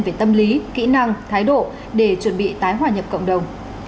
về tâm lý kỹ năng thái độ để chuẩn bị tái hòa nhập cộng đồng